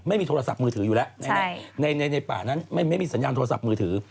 ไม่มีโทรศัพท์มือถืออยู่แล้วในป่านั้นไม่มีสัญญาณโทรศัพท์มือถือ